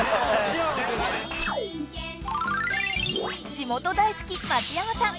［地元大好き松山さん。